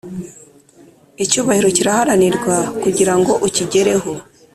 Icyubahiro kiraharanirwa kugirango ukigereho